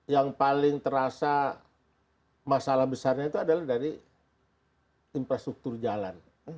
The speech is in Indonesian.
yang paling terasa masalah besarnya itu adalah dari infrastruktur jalan